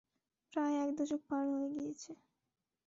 প্রায় এক দশক পার হয়ে গিয়েছে।